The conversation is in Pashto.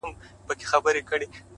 زما د زړه کوتره؛